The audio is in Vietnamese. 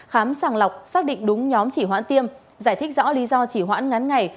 khám sàng lọc xác định đúng nhóm chỉ hoãn tiêm giải thích rõ lý do chỉ hoãn ngắn ngày